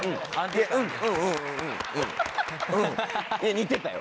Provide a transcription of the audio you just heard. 似てたよ。